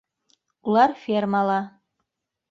- Улар фермала